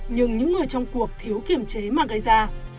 nhưng những người trong cuộc thiếu kiểm chế mà gây ra